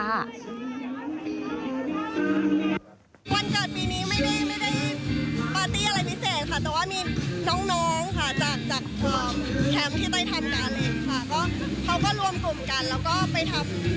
วันเกิดปีนี้ไม่ได้ได้ปาร์ตี้อะไรพิเศษค่ะ